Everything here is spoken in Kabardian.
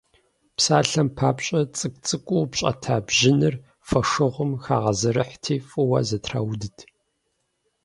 Псалъэм папщӏэ, цӏыкӏу-цӏыкӏуу упщӏэта бжьыныр фошыгъум хагъэзэрыхьти, фӏыуэ зэтраудт.